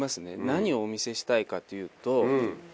何をお見せしたいかっていうと。